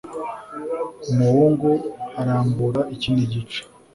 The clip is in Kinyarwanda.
Umuhungu arambura ikindi gice.